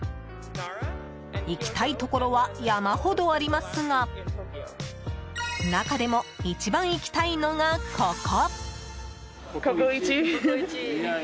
行きたいところは山ほどありますが中でも一番行きたいのが、ここ。